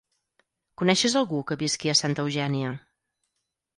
Coneixes algú que visqui a Santa Eugènia?